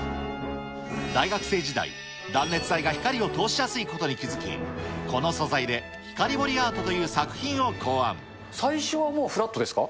大学生時代、断熱材が光を通しやすいことに気付き、この素材で光彫りアートと最初はもう、フラットですか？